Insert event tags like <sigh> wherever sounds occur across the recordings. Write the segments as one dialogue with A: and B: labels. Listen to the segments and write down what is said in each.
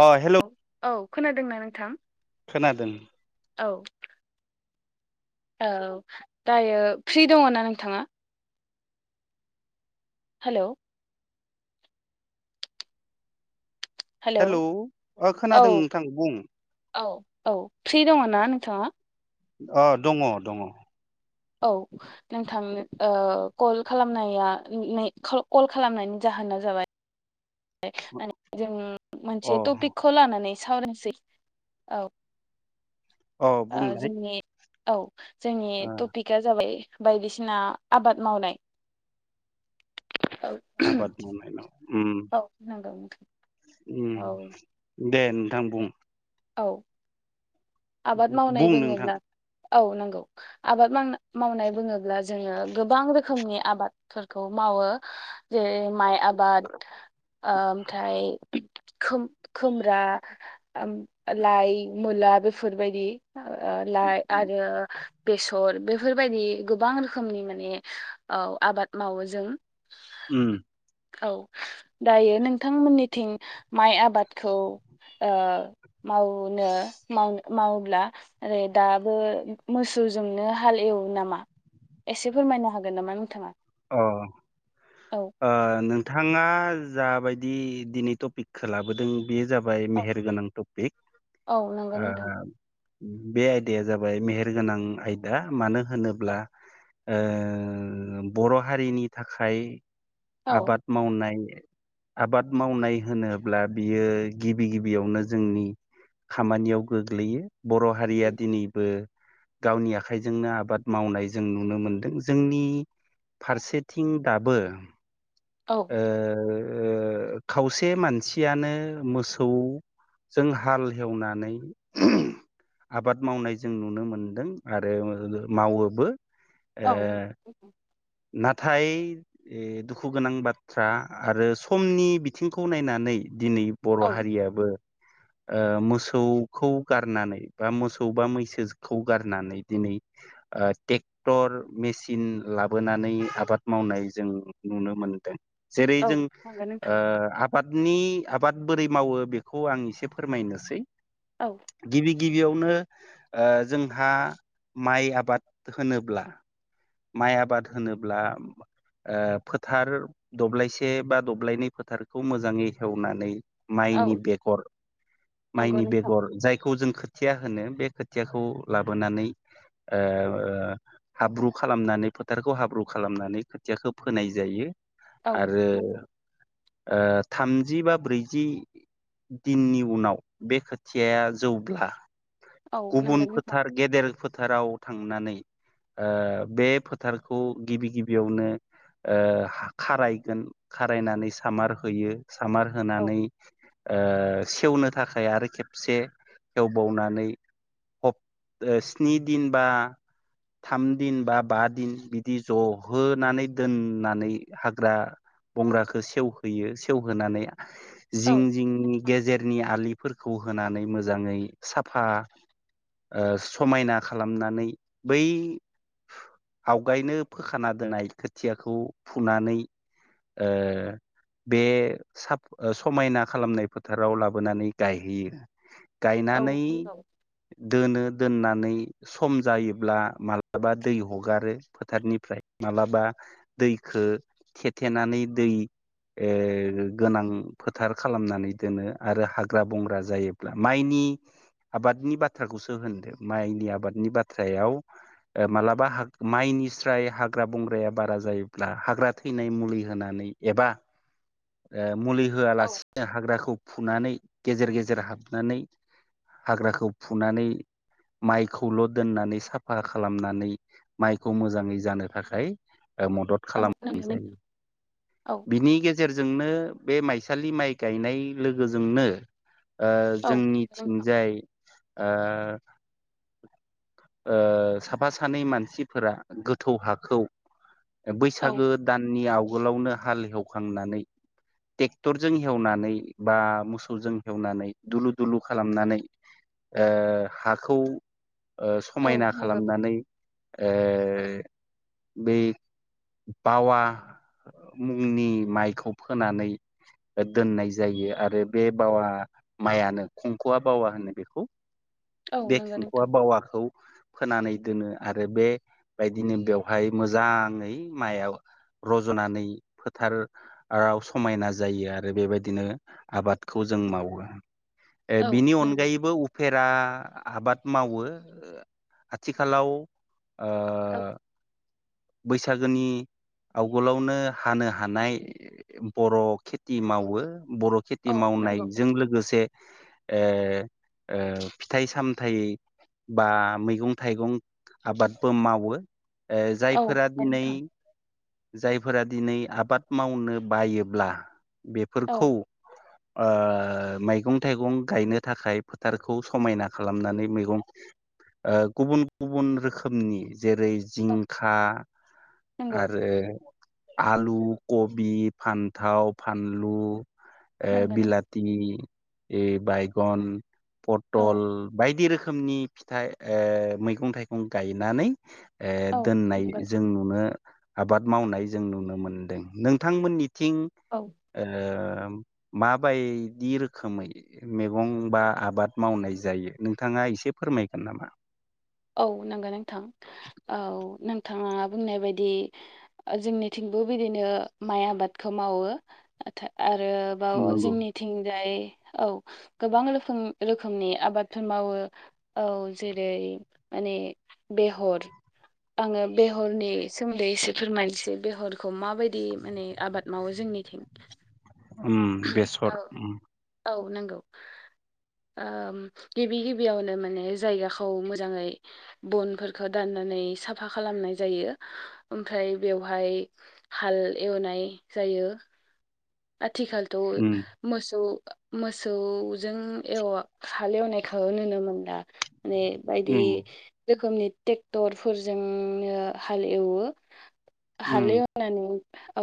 A: अ hello
B: औ औ खोनादोंना नोंथां?
A: खोनादों।
B: औ औ दायो फ्रि दङ ना नोंथाङा? हेलौ
A: हेलौ
B: औ
A: खोनादों नोंथां बुं।
B: औ औ फ्रि दङ ना नोंथाङा?
A: अ दङ दङ।
B: औ नोंथांनो कल खालामनाया कल खालामनायनि जाहोन। जाबाय
A: अ
B: मोनसे तफिकखौ लानानै सावरायसै औ।
A: औ
B: ओ
A: बुंलाय।
B: जोंनि औ जोंनि
A: ओ
B: टपिकआ जाबाय बायदिसिना आबाद मावनाय।। औ
A: आबाद मावनाय उम
B: औ नंगौ नोंथां
A: उम
B: औ
A: दे नोंथां बुं।
B: औ आबाद मावनाय
A: बुं नोंथां
B: बुङोब्ला औ नांगौ आबाद माव मावनाय बुङोब्ला जोङो गोबां रोखोमनि आबादफोरखौ माव मावो जेरै माइ आबाद ओमफ्राय खुमब्रा लाइ मुला बेफोरबायदि लाइ आरो बेसर बेफोरबायदि गोबां रोखोमनि माने औ आबाद मावो जों।
A: उम
B: औ दायो नोंथांमोननिथिं माइ आबादखौ ओ मावनो माव-माव-मावोब्ला ओरै दाबो मोसौ जोंनो हालेव नामा। एसे फोरमायनो हागोन नामा नोंथाङा?
A: अ ओ
B: औ
A: नों नोंथाङा जाबायदि दिनै टपिकखौ लाबोदों बे जाबाय मेहेरगोनां टपिक
B: औ नंगौ
A: ओ
B: नोंथां
A: बे आयदाया जाबाय मेहेर गोनां आयदा मानो
B: औ
A: होनोब्ला ओ बर' हारिनि थाखाय
B: औ
A: आबाद मावनाय आबाद मावनाय होनोब्ला बियो गिबि गिबियावनो जोंनि खामानियाव गोग्लैयो बर' हारिया दिनैबो गावनि आखाइजोंनो आबाद मावनाय जों नुनो मोनदों जोंनि फारसेथिं दाबो
B: औ
A: ओ ओ खावसे मानसियानो मोसौ जों हाल एवनानै आबाद मावनाय जों नुनो मोनदों आरो मावोबो ओ
B: औ
A: नाथाय दुखु गोनां बाथ्रा बाथ्रा आरो समनि बिथिंखौ नायनानै दिनै बर' हारियाबो
B: <inaudible>
A: ओ मोसौखौ गारनानै बा मोसौ बा मैसोखौ गारनानै दिनै ओ ट्रेक्टर मेसिन लाबोनानै आबाद मावनाय जों नुनो मोनदों जेरै
B: औ
A: जों
B: नंगौ
A: ओ
B: नोंथां
A: आबादनि आबाद बोरै मावो बेखौ आं एसे फोरमायनोसै
B: औ
A: गिबि गिबियावनो ओ जोंहा माइ आबाद होनोब्ला माइ आबाद होनोब्ला ओ फोथार दब्लायसे बा दब्लायनै फोथारखौ मोजाङै हेवनानै
B: औ
A: माइनि बेगर,
B: नंगौ
A: माइनि
B: नोंथां
A: बेगर जायखौ खौ जों खोथिया होनो, बे खोथियाखौ लाबोनानै ओ हाब्रु खालामनानै फोथारखौ हाब्रु खालामनानै खोथियाखौ फोनाय जायो
B: औ
A: आरो थामजि बा ब्रैजि दिननि उनाव बे खोथिया या जौब्ला
B: औ नंगौ
A: गुबुन
B: नोंथां
A: फोथार गेदेर फोथाराव थांनानै ओ बे फोथारखौ गिबि गिबियावनो ओ खारायगोन खारायनानै सामार होयो, सामार
B: औ
A: होनानै ओ सेवनो थाखाय आरो खेबसे एवबावनानै स्नि दिन बा थाम दिन बा बा दिन बिदि जहोनानै दोननानै हाग्रा बंग्राखौ सेवहोयो, सेवहोनानै
B: औ
A: जिं जिंनि गेजेरनि आलिफोरखौ खौ होनानै मोजाङै साफा ओ समायना खालामनानै बै आवगायनो फोखाना दोननाय खोथियाखौ फुनानै ओ बे साप समायना खालामनाय फोथाराव लाबोनानै गायहैयो।
B: औ
A: गायनानै
B: नंगौ
A: दोनो दोननानै सम जायोब्ला मालाबा दै हगारो। हगारो फोथारनिफ्राय मालाबा दैखौ थेथेनानै दै ओ गोनां फोथार खालामनानै दोनो आरो हाग्रा बंग्रा जायोब्ला माइनि आबादनि बाथ्राखौसो होनदो, माइनि आबादनि बाथ्रायाव मालाबा ह माइनि स्राय हाग्रा बंग्राया बारा जायोब्ला हाग्रा थैनाय मुलि होनानै एबा ओ मुलि
B: औ
A: होआलासिनो हाग्राखौ फुनानै गेजेर गेजेर हाबनानै हाग्राखौ फुनानै माइखौल' दोननानै साफा खालामनानै माइखौ मोजाङै जानो थाखाय मदद
B: औ
A: खालामनाय
B: नंगौ नोंथां।
A: जायो।
B: औ
A: बिनि गेजेराव गेजेरजोंनो बे माइसालि माइ गायनाय लोगोजोंनो ओ
B: औ नोंथां।
A: जोंनिथिंजाय ओ <inaudible> ओ साफा सानै मानसि फोरा गोथौ हाखौ
B: औ
A: बैसागो दाननि आव आगोलावनो हालेवखांनानै ट्रेक्टरजों हेवनानै बा मोसौजों हेवनानै दुलु दुलु खालामनानै ओ हाखौ ओ
B: औ
A: समायना
B: नंगौ
A: खालामनानै ओ बेै बावा मुंनि माइखौ फोनानै दोननाय जायो आरो बे बावा माइयानो खंख'आ बावा होनो बेखौ
B: औ
A: बे
B: नंगौ
A: खंखु'आ
B: नोंथां
A: बावाखौ फोनानै दोनो आरो बेबायदिनो बेवहाय मोजाङै माइआव रज'नानै फोथार समायना जायो आरो बेबायदिनो आबादखौ जों मावो ए
B: औ
A: बिनि
B: नंगौ
A: अनगायैबो फेरा आबाद मावो, आथिखालाव ओ
B: औ
A: बैसागोनि आवगोलावनो हानो हानाय बर' खेथि मावो। बर' खेथि
B: औ नंगौ
A: मावनायजों लोगोसे ओ ओ फिथाइ सामथाय बा मैगं थाइगं आबादबो मावो
B: औ
A: जायफोरा दिनै
B: नोंथां
A: जायफोरा दिनै आबाद मावनो बायोब्ला
B: औ
A: बेफोरखौ ओ मैगं थाइगं गायनो थाखाय फोथारखौ समायना खालामनानै मैगं गुबुन गुबुन रोखोमनि जेरै
B: औ
A: जिंखा
B: नंगौ
A: आरो आलु कबि फानथाव फानलु ए
B: नंगौ नों
A: बिलाथि ए बायगन पथल
B: औ
A: बायदि रोखोमनि फिथाइ मैगं थाइगं गायनानै
B: औ
A: दोननाय
B: नंगौ
A: जों नुनो आबाद मावनाय जों नुनो मोनदों नोंथांमोननिथिं
B: औ
A: माबायदि रोखोमै मैगं बा आबाद मावनाय जायो नोंथाङा एसे फोरमायगोन नामा
B: औ नंगौ नोंथां औ नोंथाङा बुंनाय बायदि जोंनिथिंबो बिदि नो माइ आबादखौ मावो आरोबाव
A: नंगौ
B: जोंनिथिंजाय औ गोबां रोखोम रोखोमनि आबादफोर मावो औ जेरै माने बेहर आङो बेहरनि सोमोन्दै एसे फोरमायनोसै बेहरखौ माबायदि माने आबाद मावो जों निथिं
A: उम बेसर उम
B: औ नंगौ गिबि गिबियावनो माने जायगाखौ मो- जाङै बनफोरखौ दाननानै साफा खालामनाय जायो ओमफ्राय बेवहाय हाल एवनाय जायो आथिखालथ'
A: उम
B: मोसौ मोसौजों हाल एवनायखौ नुनो मोनला माने बायदि
A: उम
B: रोखोमनि ट्रेक्टरफोरजोंनो हाल एवो
A: उम
B: हालेवनानै औ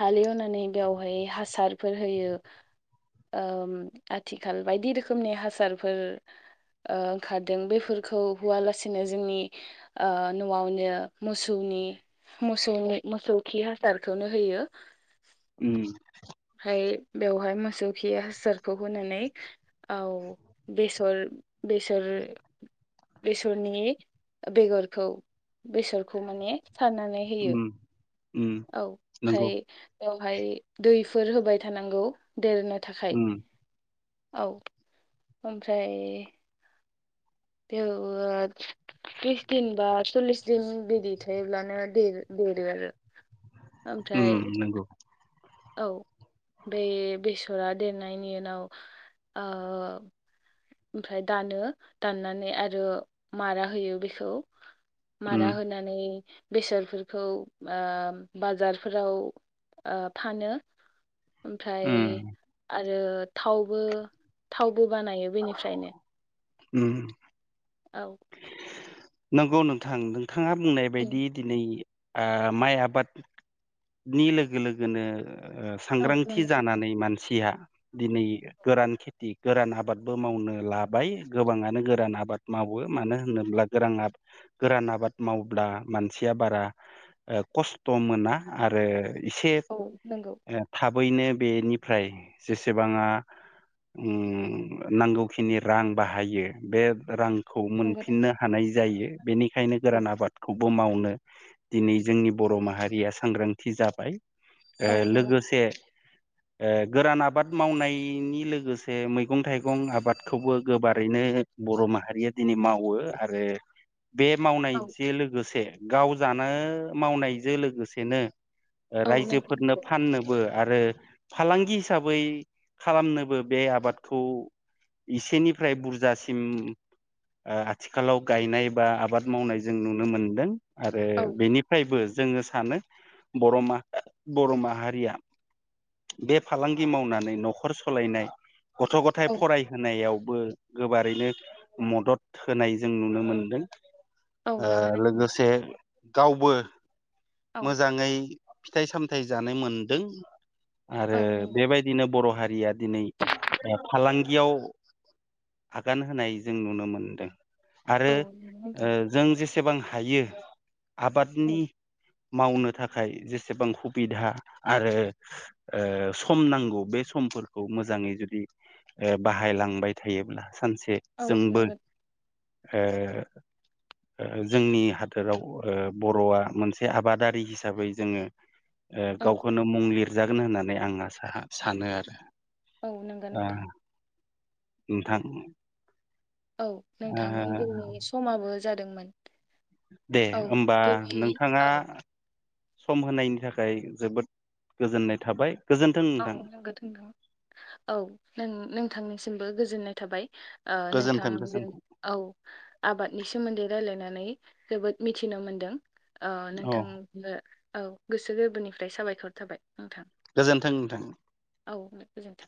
B: हालेवनानै बेवहाय हासारफोर होयो ओम आथिखाल बायदि रोखोमनि हासारफोर ओंखारदों बेफोरखौ होआलासेनो जोंनि न'आवनो मोसौ नि मोसौ मोसौ खि हासारखौनो होयो।
A: उम।
B: फाय बेवहाय मोसौ खि हासारखौ होनानै औ बेसर बेसर बेसरनि बेगरखौ बेसरखौ माने सारनानै होयो।
A: उम उम
B: औ
A: नंगौ
B: ओमफ्राय बेवहाय दैफोर होबाय थानांगौ। देरनो थाखाय।
A: उम
B: औ ओमफ्राय <unintelligible> बिस दिन बा सल्लिस दिन बिदि थायोब्लानो दे-देरो आरो।
A: उम
B: ओमफ्राय
A: नंगौ।
B: औ। बे बेसरा देरनायनि उनाव ओ ओमफ्राय दानो, दाननानै आरो मारा होयो बेखौ।
A: उम
B: मारा होनानै बेसरफोरखौ ओ बाजारफोराव ओ फानो। ओमफ्राय
A: उम
B: आरो थावबो थावबो बानायो बेनि फ्रायनो।
A: <inaudible>
B: औ।
A: नंगौ नोंथां, नोंथाङा बुंनाय बायदि दिनै आ माइ आबादनि लोगो लोगोनो
B: औ
A: सांग्रांथि
B: नंगौ
A: जानानै मानसिया दिनै गोरान खेथि गोरान आबाद बो मावनो लाबाय। गोबाङानो गोरान आबाद मावो। मानो होनोब्ला गोरां आ गोरान आ बाद मावब्ला मानसिया बारा ओ कस्त' मोना आरो इसे
B: औ नंगौ
A: थाब बैनो बेनिफ्राय जेसेबाङा उम नांगौखिनि रां बाहायो बे रांखौ
B: नंगौ नोंथां
A: मोनफिननो हानाय जायो। बेनि खायनो
B: औ
A: गोरान आबादखौबो मावनो दिनै जोंनि बर' माहारिया सांग्रांथि जाबाय। ओ
B: औ नंगौ
A: लोगोसे ओ गोरान आबाद मावनायनि लोगोसे मै गं थाइगं आबादखौबो गोबारैनो बर' माहारिया दिनै मावो आरो बे
B: औ
A: मावनायजे लोगोसे गाव जानो मावनायजो लोगोसेनो ओ
B: औ
A: रायजोफोरनो
B: नंगौ
A: फाननोबो आरो फालांगि हिसाबै खालामनोबो बे आबाद खौ इसेनिफ्राय बुरजासिम ओ आथिखालाव गायनाय बा आबाद मावनाय जों नुनो मोनदों। आरो
B: औ
A: बेनिफायबो जोङो सानो बर' मा बर' माहारिया बे फालांगि मावनानै न'खर सलायनाय गथ' गथाय
B: औ
A: फरायहोनायाव बो गोबारैनो मदद होनाय जों नुनो मोनदों।
B: औ
A: ओ
B: नंगौ नोंथां
A: लोगोसे गावबो
B: औ
A: मोजाङै फिथाइ सामथाइ जानो मोनदों आरो
B: औ नंगौ
A: बेबायदिनो बर' हारिया दिनै फालांगियाव आगान होनाय जों नुनो मोनदों। आरो
B: औ नंगौ
A: ओ
B: नोंथां
A: जों जेसेबां हायो
B: औ
A: आबादनि मावनो थाखाय जेसेबां हुबिधा आरो सम नांगौ बे समफोरखौ मोजाङै जुदि बाहायलांबाय थायोब्ला सानसे
B: औ
A: जोंबो
B: नंगौ
A: ओ जोंनि हादोराव ओ बर'आ मोनसे आबादारि हिसाबै जोङो ओ
B: औ
A: गावखोनो मुं लिर नुजागोन होननानै आं आसा सानो आरो।
B: औ नंगौ
A: ओ
B: नोंथां।
A: नोंथां।
B: औ
A: ओ
B: नोंथां जोंनि समाबो जादोंमोन।
A: दे
B: औ
A: होमबा
B: दिनै
A: नोंथाङा
B: औ
A: सम होनायनि थाखाय जोबोद गोजोननाय थाबाय। गोजोन्थों
B: औ
A: नोंथां
B: नोंगौ नोंथां औ नों नोंथांनिसिमबो गोजोननाय थाबाय। ओ
A: गोजोन्थों
B: नोंथांजों
A: गोजोन्थों
B: औ आबादनि सोमोन्दै रायलायनानै नै जोबोद मिथिनो मोनदों ओ
A: औ
B: नोंथांनो औ गोसो गोरबोनिफ्राय साबायखर थाबाय नोंथां।
A: गोजोन्थों नोंथां।
B: औ गोजोन्थों